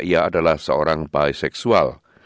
ia adalah seorang bisexual